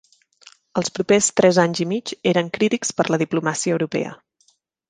Els proper tres anys i mig eren crítics per la diplomàcia europea.